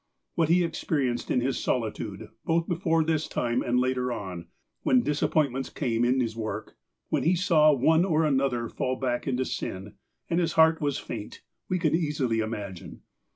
What he experienced in his solitude, both before this time, and later on, when disappointments came in his work, when he saw one or another fall back into sin, and his heart was faint, we can easily imagine.